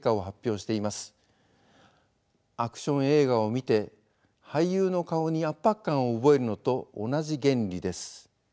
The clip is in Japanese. アクション映画を見て俳優の顔に圧迫感を覚えるのと同じ原理です。